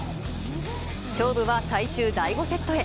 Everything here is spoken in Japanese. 勝負は最終第５セットへ。